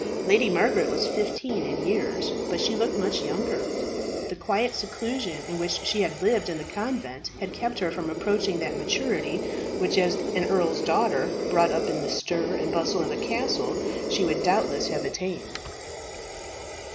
Lady Margaret was fifteen in years; but she looked much younger. The quiet seclusion in which she had lived in the convent had kept her from approaching that maturity which as an earl's daughter, brought up in the stir and bustle of a castle, she would doubtless have attained.